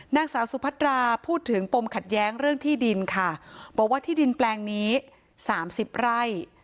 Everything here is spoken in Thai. นางสาวสุพัตราพูดถึงปมขัดแย้งเรื่องที่ดินค่ะบอกว่าที่ดินแปลงนี้สามสิบไร่